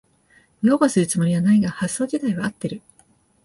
擁護するつもりはないが発想じたいは合ってる